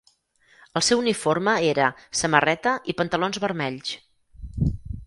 El seu uniforme era samarreta i pantalons vermells.